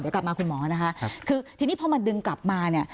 เดี๋ยวกลับมาคุณหมอนะคะคือทีนี้พอมันดึงกลับมาเนี่ย